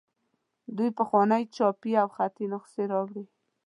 دوی پخوانۍ چاپي او خطي نسخې راوړي.